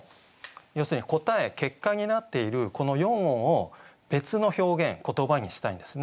要するに答え結果になっているこの四音を別の表現言葉にしたいんですね